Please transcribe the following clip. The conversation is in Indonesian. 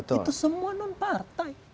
itu semua non partai